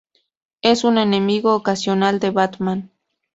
Es un enemigo ocasional de Batman.